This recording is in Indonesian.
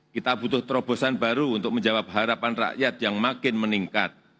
kita butuh terobosan baru untuk menjawab harapan rakyat yang makin meningkat